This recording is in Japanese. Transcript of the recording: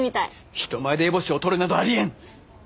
人前で烏帽子を取るなどありえん。